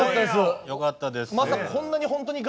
よかったです。